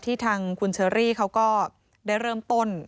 ทางคุณเชอรี่เขาก็ได้เริ่มต้น